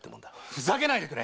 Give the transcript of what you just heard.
ふざけないでくれ！